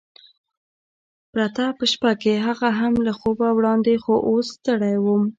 پرته په شپه کې، هغه هم له خوبه وړاندې، خو اوس ستړی وم.